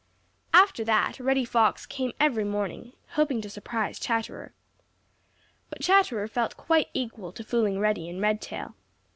After that, Reddy Fox came every morning, hoping to surprise Chatterer. But Chatterer felt quite equal to fooling Reddy and Redtail.